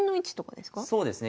そうですね。